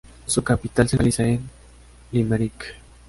Su capital se localizaba en Limerick.